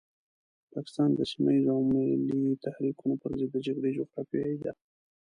پاکستان د سيمه ييزو او ملي تحريکونو پرضد د جګړې جغرافيې ده.